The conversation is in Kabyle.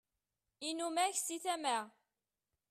inumak si tama